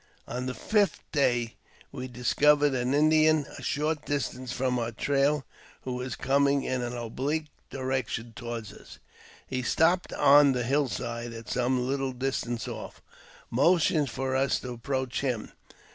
On the fifth day we discovered an Indian a short distance from our trail, who was coming in an oblique direction toward us. He stopped on the hill side at some little distance off^ and motioned for us to approach him.